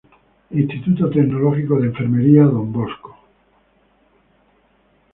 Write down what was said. Instituto Tecnológico de enfermería Don Bosco.